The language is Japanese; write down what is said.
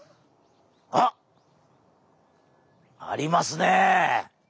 あっ！ありますね。